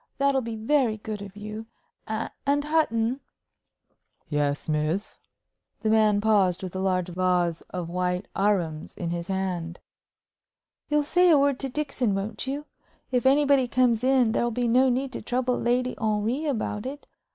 That'll be very good of you. And, Hutton " "Yes, miss." The man paused with a large vase of white arums in his hand. "You'll say a word to Dixon, won't you? If anybody comes in, there'll be no need to trouble Lady Henry about it.